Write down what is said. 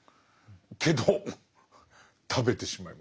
けど食べてしまいます。